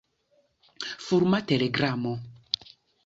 Fulma telegramo.